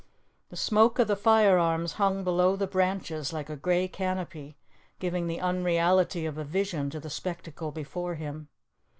The smoke of the firearms hung below the branches like a grey canopy, giving the unreality of a vision to the spectacle before him.